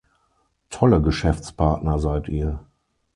Tolle Geschäftspartner seid ihr!